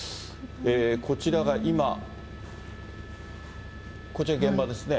こちらが今、こちら、現場ですね。